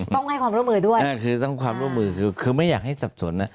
ต้องให้ความร่วมมือด้วยต้องความร่วมมือไม่อยากให้ซับสน